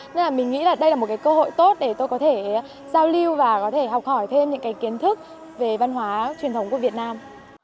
nên là mình nghĩ là đây là một cái cơ hội tốt để tôi có thể giao lưu và có thể học hỏi thêm những cái kiến thức về văn hóa truyền thống của việt nam